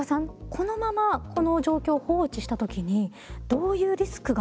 このままこの状況を放置した時にどういうリスクが考えられますか？